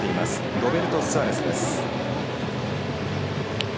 ロベルト・スアレスです。